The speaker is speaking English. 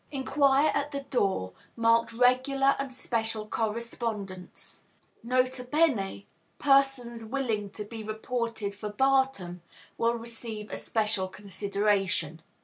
Inquire at the door marked 'Regular and Special Correspondence.' "N. B. Persons willing to be reported verbatim will receive especial consideration."